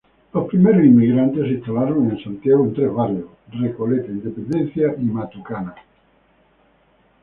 Los primeros inmigrantes se instalaron en Santiago en tres barrios: Recoleta, Independencia y Matucana.